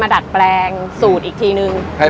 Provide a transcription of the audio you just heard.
ประกาศรายชื่อพศ๒๕๖๑